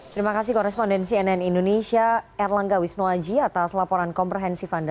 terima kasih korespondensi nn indonesia erlangga wisnuaji atas laporan komprehensif anda